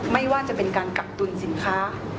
ไม่ว่าจะเป็นการกักตุลสินค้า